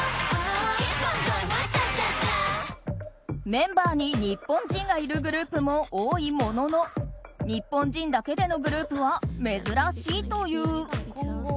メンバーに日本人がいるグループも多いものの日本人だけでのグループは珍しいという。